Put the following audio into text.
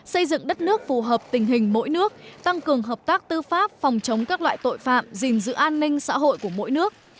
xây dựng đất nước phù hợp tình hình mỗi nước tăng cường hợp tác tư pháp phòng chống các loại tội phạm gìn giữ an ninh xã hội của mỗi nước